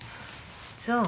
そう。